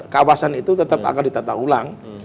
kawasan itu tetap akan ditata ulang